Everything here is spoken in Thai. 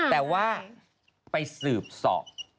แต่ว่าไปสืบสอบ